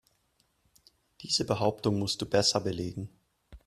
Diese Behauptung musst du besser belegen.